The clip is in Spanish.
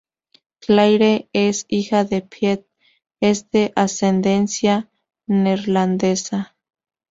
Claire es hija de Piet, es de ascendencia neerlandesa.